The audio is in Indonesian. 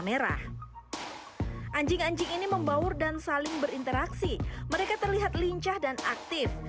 merah anjing anjing ini membaur dan saling berinteraksi mereka terlihat lincah dan aktif